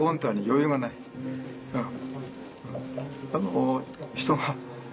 うん。